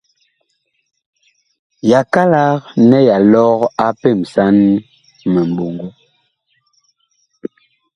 Yakalak nɛ ɓa lɔg a pemsan miɓɔŋgo.